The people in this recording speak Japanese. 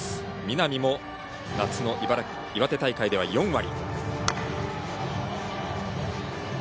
南も、夏の岩手大会では４割。